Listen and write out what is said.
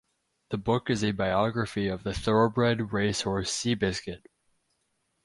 The book is a biography of the Thoroughbred racehorse Seabiscuit.